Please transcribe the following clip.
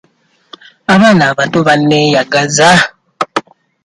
Abaana abato banneeyagaza.